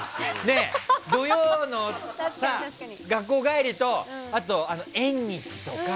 土曜のさ、学校帰りとあと縁日とか。